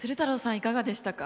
いかがでしたか？